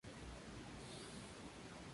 La muerte fue su recompensa.